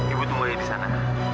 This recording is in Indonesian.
ibu tunggu di sana